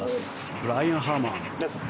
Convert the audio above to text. ブライアン・ハーマン。